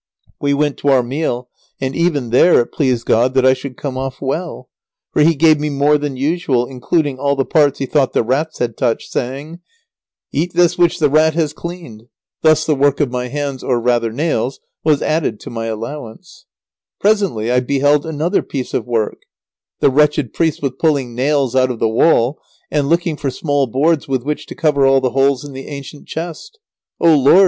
We went to our meal, and even there it pleased God that I should come off well; for he gave me more than usual, including all the parts he thought the rats had touched, saying: "Eat this which the rat has cleaned." Thus the work of my hands, or rather nails, was added to my allowance. [Sidenote: The clergyman boards up all the rat holes in the old chest.] Presently I beheld another piece of work. The wretched priest was pulling nails out of the wall, and looking for small boards with which to cover all the holes in the ancient chest. "O Lord!"